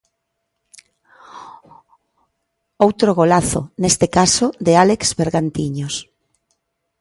Outro golazo, neste caso de Álex Bergantiños.